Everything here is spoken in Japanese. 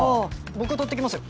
僕が取ってきますよ。